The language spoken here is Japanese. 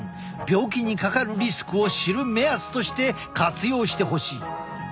病気にかかるリスクを知る目安として活用してほしい。